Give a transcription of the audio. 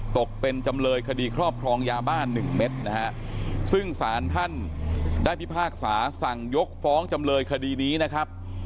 ตกเป็นจำเลยคดีครอบครองยาบ้านหนึ่งเม็ดนะฮะซึ่งสารท่านได้พิพากษาสั่งยกฟ้องจำเลยคดีนี้นะครับ